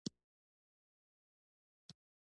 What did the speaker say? ژوند د امیدونو کور دي.